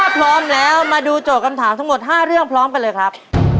ถ้าพร้อมแล้วมาดูโจทย์คำถามทั้งหมด๕เรื่องพร้อมกันเลยครับ